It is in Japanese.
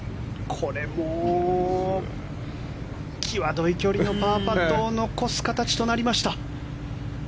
これも際どい距離のパーパットを残す形となりました。